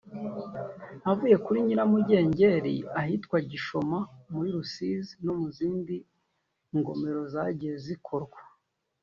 ayavuye kuri Nyiramugengeri ahitwa Gishoma muri Rusizi no ku zindi ngomero zagiye zikorwa